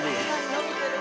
伸びてる。